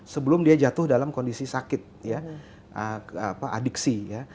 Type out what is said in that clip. sebelum dia jatuh dalam kondisi sakit adiksi